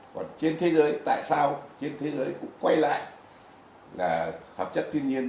còn trên thế giới tại sao trên thế giới cũng quay lại là hợp chất tuy nhiên